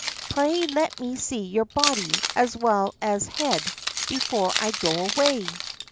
Pray let me see your body as well as head before I go away."